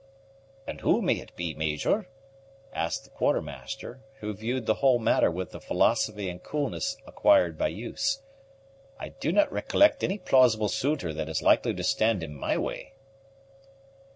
"And who may it be, Major?" asked the Quartermaster, who viewed the whole matter with the philosophy and coolness acquired by use. "I do not recollect any plausible suitor that is likely to stand in my way."